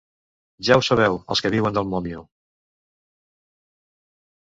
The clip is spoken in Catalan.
Ja ho sabeu, els que viuen del mòmio.